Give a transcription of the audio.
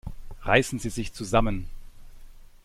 Reißen Sie sich zusammen!